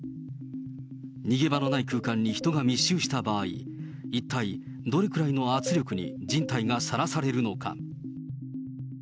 逃げ場のない空間に人が密集した場合、一体どれくらいの圧力に人体がさらされるのか。